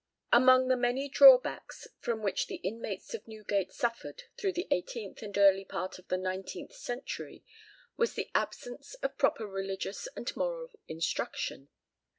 Among the many drawbacks from which the inmates of Newgate suffered through the eighteenth and the early part of the nineteenth century, was the absence of proper religious and moral instruction.